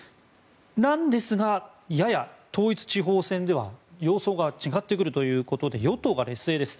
なんですが、やや統一地方選では様相が違ってくるということで与党が劣勢です。